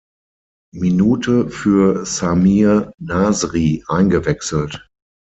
Minute für Samir Nasri eingewechselt.